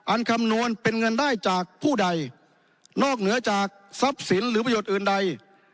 คำนวณเป็นเงินได้จากผู้ใดนอกเหนือจากทรัพย์สินหรือประโยชน์อื่นใด